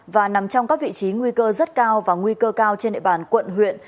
và nằm trong các vị trí nguy cơ rất cao và nguy cơ cao trên nệ bản quận huyện